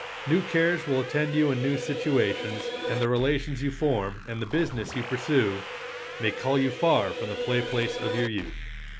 New cares will attend you in new situations, and the relations you form and the business you pursue may call you far from the "play place" of your youth.